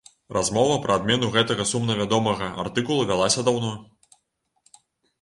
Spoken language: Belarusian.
Размова пра адмену гэтага сумнавядомага артыкула вялася даўно.